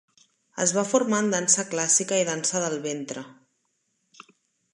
Es va formar en dansa clàssica i dansa del ventre.